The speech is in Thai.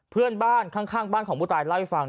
เพื่อนบ้านข้างบ้านของผู้ตายเล่าให้ฟัง